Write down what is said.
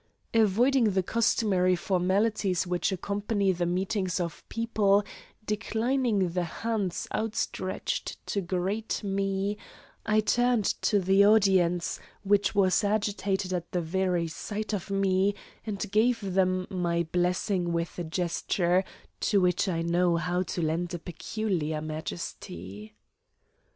Avoiding the customary formalities which accompany the meetings of people, declining the hands outstretched to greet me, I turned to the audience, which was agitated at the very sight of me, and gave them my blessing with a gesture to which I know how to lend a peculiar majesty.